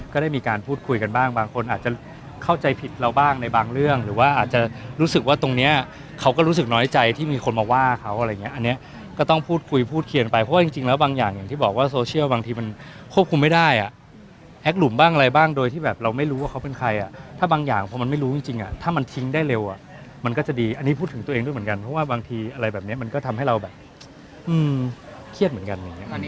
ก็ได้มีการพูดคุยกันบ้างบางคนอาจจะเข้าใจผิดเราบ้างในบางเรื่องหรือว่าอาจจะรู้สึกว่าตรงเนี้ยเขาก็รู้สึกน้อยใจที่มีคนมาว่าเขาอะไรเงี้ยอันเนี้ยก็ต้องพูดคุยพูดเขียนไปเพราะว่าจริงจริงแล้วบางอย่างอย่างที่บอกว่าโซเชียลบางทีมันควบคุมไม่ได้อ่ะแอ๊กหลุมบ้างอะไรบ้างโดยที่แบบเราไม่รู้ว่าเขาเป็น